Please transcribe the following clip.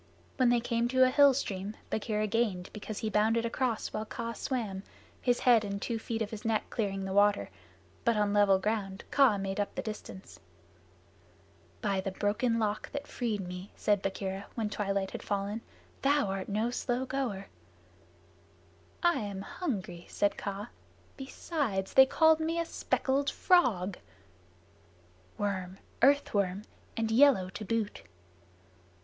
When they came to a hill stream, Bagheera gained, because he bounded across while Kaa swam, his head and two feet of his neck clearing the water, but on level ground Kaa made up the distance. "By the Broken Lock that freed me," said Bagheera, when twilight had fallen, "thou art no slow goer!" "I am hungry," said Kaa. "Besides, they called me speckled frog." "Worm earth worm, and yellow to boot."